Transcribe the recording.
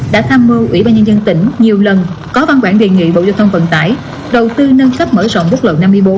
đã tham mưu ủy ban nhân dân tỉnh nhiều lần có văn bản đề nghị bộ giao thông vận tải đầu tư nâng cấp mở rộng quốc lộ năm mươi bốn